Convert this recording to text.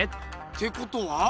てことは？